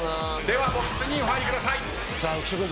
ではボックスにお入りください。